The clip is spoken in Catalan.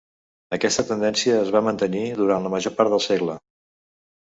Aquesta tendència es va mantenir durant la major part del segle.